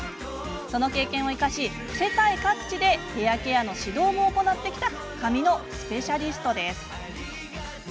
その経験を生かし、世界各地でヘアケアの指導も行ってきた髪のスペシャリストです。